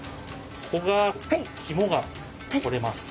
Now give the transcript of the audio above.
ここが肝が取れます。